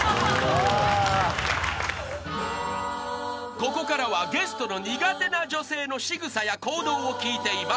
［ここからはゲストの苦手な女性のしぐさや行動を聞いています］